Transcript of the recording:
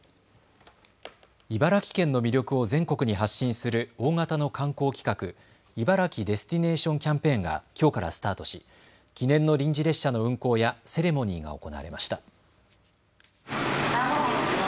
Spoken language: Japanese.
茨城県の魅力を全国に発信する大型の観光企画、茨城デスティネーションキャンペーンがきょうからスタートし記念の臨時列車の運行やセレモニーが行われました。